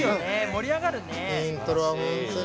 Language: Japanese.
盛り上がるね！